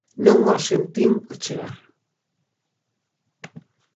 Non os sentín chegar.